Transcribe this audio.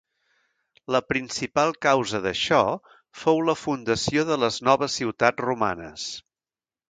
La principal causa d'això fou la fundació de les noves ciutats romanes.